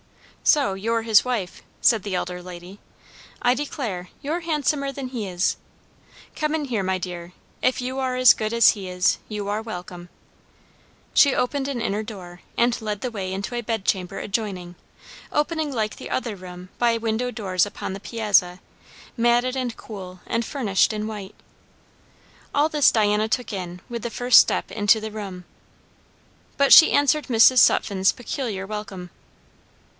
"So you're his wife!" said the elder lady. "I declare, you're handsomer than he is. Come in here, my dear; if you are as good as he is, you are welcome." She opened an inner door and led the way into a bedchamber adjoining, opening like the other room by window doors upon the piazza, matted and cool and furnished in white. All this Diana took in with the first step into the room. But she answered Mrs. Sutphen's peculiar welcome.